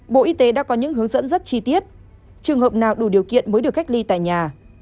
bộ y tế đã có những hướng dẫn rất chi tiết trường hợp nào đủ điều kiện mới được cách ly tại nhà